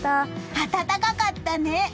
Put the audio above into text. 暖かかったね！